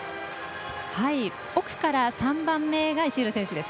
奥から３番目が石浦選手です。